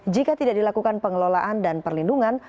jika tidak dilakukan pengelolaan dan perlindungan